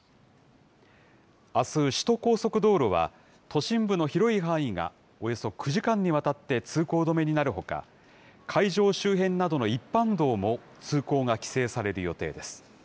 あす、首都高速道路は、都心部の広い範囲が、およそ９時間にわたって通行止めになるほか、会場周辺などの一般道も、通行が規制される予定です。